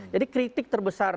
jadi kritik terbesar